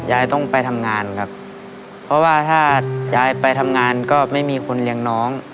ยายต้องไปทำงานครับเพราะว่าถ้ายายไปทำงานก็ไม่มีคนเลี้ยงน้อง